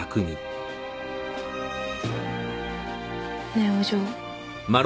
ねえお嬢。